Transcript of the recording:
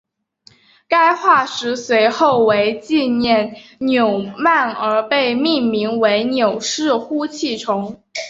该化石随后为纪念纽曼而被命名为纽氏呼气虫。